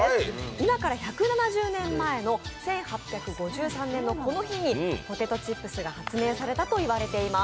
今から１７０年前の１８５３年のこの日にポテトチップスが発明されたと言われています